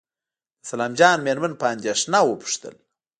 د سلام جان مېرمن په اندېښنه وپوښتل.